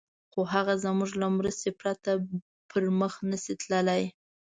خو هغه زموږ له مرستې پرته پر مخ نه شي تللای.